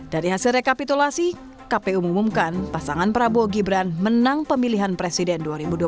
dari hasil rekapitulasi kpu mengumumkan pasangan prabowo gibran menang pemilihan presiden dua ribu dua puluh